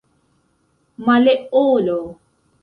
Maleolo